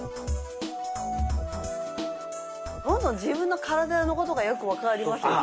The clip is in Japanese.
どんどん自分の体のことがよく分かりますよね。